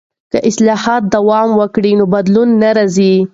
که اصلاح دوام وکړي نو بدلون راځي.